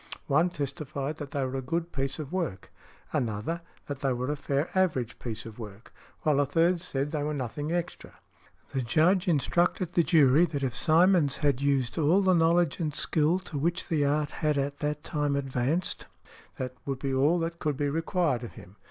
One testified that they were a good piece of work; another, that they were a fair average piece of work; while a third said that they were nothing extra. The Judge instructed the jury that if Simonds had used all the knowledge and skill to which the art had at the time advanced, that would be all that could be required of him.